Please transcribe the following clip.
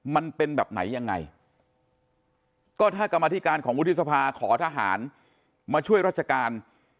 มันเป็นแบบไหนยังไงก็ถ้ากรรมธิการของวุฒิสภาขอทหารมาช่วยราชการ